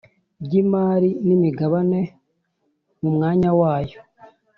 Ry imari n imigabane mu mwanya wayo